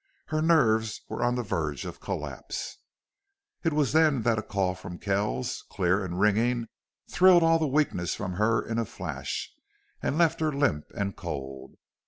Her nerves were on the verge of collapse. It was then that a call from Kells, clear and ringing, thrilled all the weakness from her in a flash, and left her limp and cold.